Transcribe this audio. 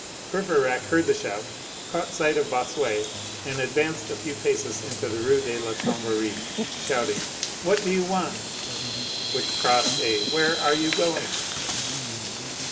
Courfeyrac heard the shout, caught sight of Bossuet, and advanced a few paces into the Rue de la Chanvrerie, shouting: "What do you want?" which crossed a "Where are you going?"